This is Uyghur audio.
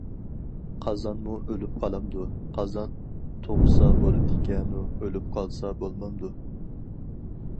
قازانمۇ ئۆلۈپ قالامدۇ؟- قازان تۇغسا بولىدىكەنۇ، ئۆلۈپ قالسا بولمامدۇ؟!